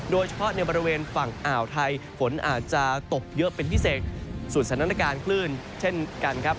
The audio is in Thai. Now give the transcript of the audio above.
โดยเฉพาะในบริเวณฝั่งอ่าวไทยฝนอาจจะตกเยอะเป็นพิเศษส่วนสถานการณ์คลื่นเช่นกันครับ